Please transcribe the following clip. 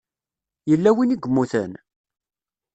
yella win i yemmuten?